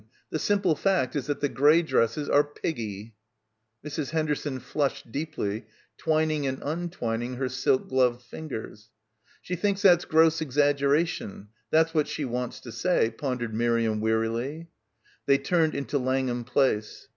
The simple fact is that the grey dresses are piggy." Mrs. Henderson flushed deeply, twining and untwining her silk gloved fingers. "She thinks that's 'gross exaggeration.' That's what she wants to say," pondered Miriam wearily. They turned into Langham Place.